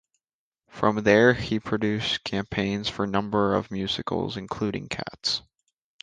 From there, he produced campaigns for a number of musicals, including "Cats".